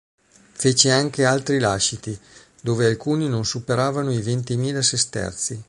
Fece anche altri lasciti, dove alcuni non superavano i ventimila sesterzi.